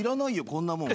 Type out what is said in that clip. こんなもん。